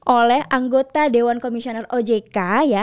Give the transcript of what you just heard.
oleh anggota dewan komisioner ojk ya